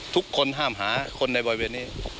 ทุกคนห้ามหาคนในบริเวณนี้